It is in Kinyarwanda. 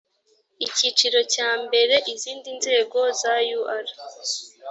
icyiciro cya mbere izindi nzego za ur